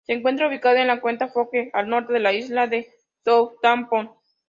Se encuentra ubicada en la cuenca Foxe, al norte de isla de Southampton.